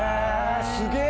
すげえ！